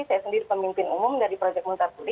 saya sendiri pemimpin umum dari projek multartuli